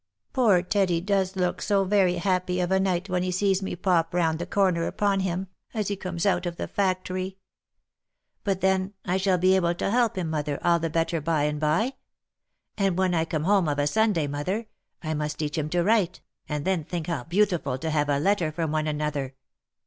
'* Poor Teddy does look so very happy of a night when he sees me pop round the corner upon him, as he comes out of the factory !— But then I shall be able to help him, mother, all the better by and by. And when I come home of a Sunday, mother, I must teach him to write, and then think how beautiful to have a letter from one another